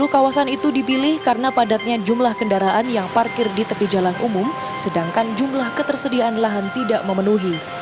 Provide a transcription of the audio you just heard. sepuluh kawasan itu dipilih karena padatnya jumlah kendaraan yang parkir di tepi jalan umum sedangkan jumlah ketersediaan lahan tidak memenuhi